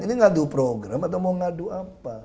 ini ngadu program atau mau ngadu apa